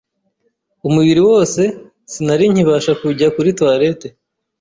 umubiri wose, sinari nkibasha kujya kuri toilette,